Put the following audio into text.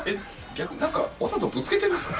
逆になんかわざとぶつけてるんですか？